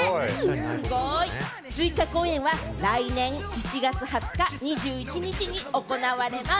すごい！追加公演は来年１月２０日、２１日に行われます。